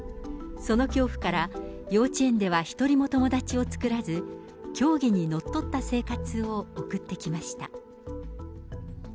その恐怖から、幼稚園では１人も友達を作らず、教義にのっとった生活を送ってきました。